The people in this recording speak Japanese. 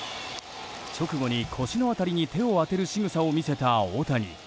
直後に、腰の辺りに手を当てるしぐさを見せた大谷。